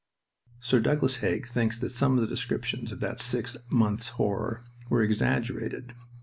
Sir Douglas Haig thinks that some of the descriptions of that six months' horror were "exaggerated."